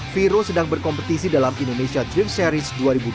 viro sedang berkompetisi dalam indonesia drift series dua ribu dua puluh